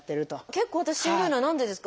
結構私しんどいのは何でですか？